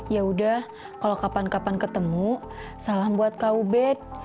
ya udah kalau kapan kapan ketemu salam buat kaubet